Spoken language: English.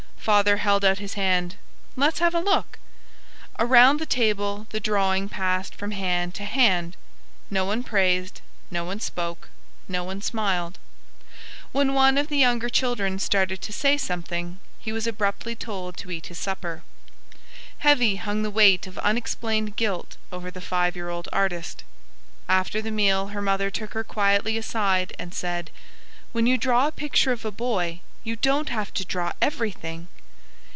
Father held out his hand. "Let's have a look." Around the table the drawing passed from hand to hand. No one praised, no one spoke, no one smiled. When one of the younger children started to say something, he was abruptly told to eat his supper. Heavy hung the weight of unexplained guilt over the five year old artist. After the meal her mother took her quietly aside and said, "When you draw a picture of a boy, you don't have to draw everything!"